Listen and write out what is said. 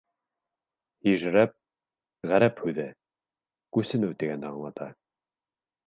Һижрәт — ғәрәп һүҙе, күсенеү тигәнде аңлата.